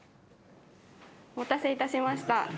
お待たせいたしました。